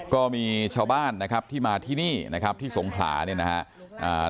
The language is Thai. ก็มีชาวบ้านนะครับที่มาที่นี่นะครับที่สงขลาเนี่ยนะครับ